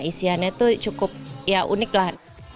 isiannya tuh cukup ya unik lah